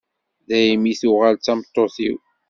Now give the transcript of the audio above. daymi i tuɣal d tameṭṭut-iw.